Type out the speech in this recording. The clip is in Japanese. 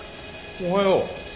おはよう。